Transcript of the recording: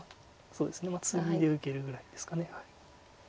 そうですねツギで受けるぐらいですか。